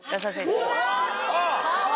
うわ！